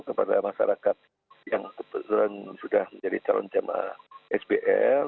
kepada masyarakat yang kebetulan sudah menjadi calon jemaah sbl